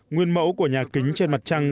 nguyên mẫu của nhà kính trên mặt trăng